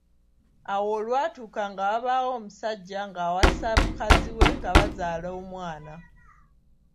Awo olwatuuka nga wabaawo omusajja ng’awasa mukazi we nga bazaala omwana.